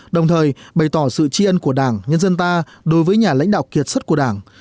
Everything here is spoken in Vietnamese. đồng thời bày tỏ sự tri ân của đảng nhân dân ta đối với nhà lãnh đạo kiệt xuất của đảng